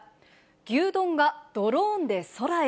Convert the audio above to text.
牛丼がドローンで空へ。